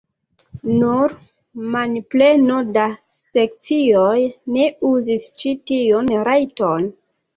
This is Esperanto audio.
Nur manpleno da sekcioj ne uzis ĉi tiun rajton.